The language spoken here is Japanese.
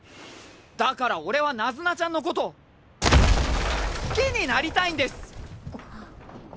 だから俺はナズナちゃんのこと好きになりたいんです！